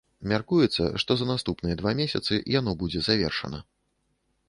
Мяркуецца, што за наступныя два месяцы яно будзе завершана.